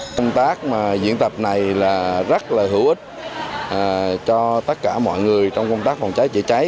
công tác diễn tập này là rất là hữu ích cho tất cả mọi người trong công tác phòng cháy chữa cháy